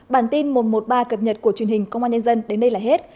bản tin một trăm một mươi ba cập nhật của truyền hình công an nhân dân đến đây là hết